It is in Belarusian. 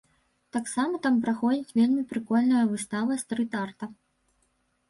Таксама там праходзіць вельмі прыкольная выстава стрыт-арта.